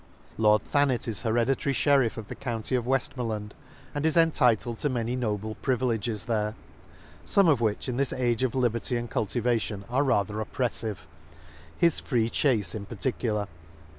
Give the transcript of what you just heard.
— Lord Thanet is hereditary Sheriff of the county of Weftmoreland, and is entitled to many noble privileges there ; fome of which, in this age of liberty and cultiva tion, are rather oppreflive j his free chace, in particular.